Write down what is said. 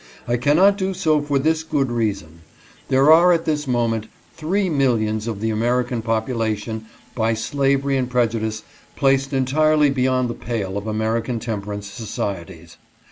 I cannot do so for this good reason : there are at this moment three millions of the American population by slavery and prejudice placed entirely beyond the pale of American temperance societies.